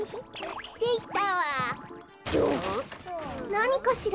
なにかしら？